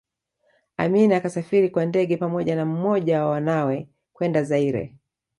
Amin akasafiri kwa ndege pamoja na mmoja wa wanawe kwenda Zaire